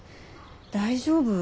大丈夫？